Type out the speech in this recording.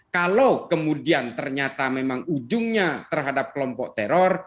kalau kemudian ternyata memang ujungnya terhadap kelompok teror